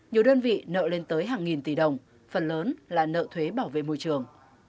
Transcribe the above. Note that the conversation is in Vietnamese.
nhiều đơn vị nợ lên tới hàng nghìn tỷ đồng phần lớn là nợ thuế bảo vệ môi trường